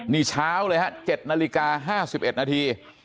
นี่เช้าเลยฮะ๗นาฬิกา๕๑นาที